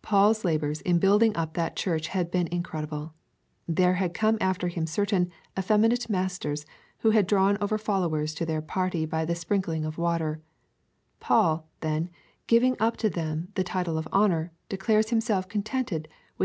Paul's labours in building up that Church had been incredible. There had come after him certain eiFeminate masters, who had drawn over followers to their party by the sprinkling of water ;2 Paul, then, giving up to them the title of honour, declares himself contented with having had the burden.